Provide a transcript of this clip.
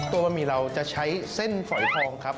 บะหมี่เราจะใช้เส้นฝอยทองครับ